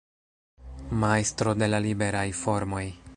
Majstro de la liberaj formoj.